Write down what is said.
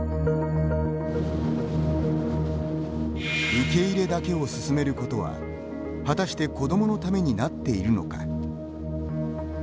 受け入れだけを進めることは果たして、子どものためになっているのか。